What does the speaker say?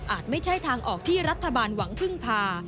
ไม่ใช่ทางออกที่รัฐบาลหวังพึ่งพา